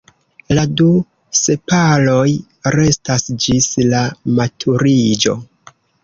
La du sepaloj restas ĝis la maturiĝo.